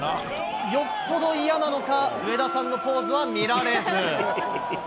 よっぽど嫌なのか、上田さんのポーズは見られず。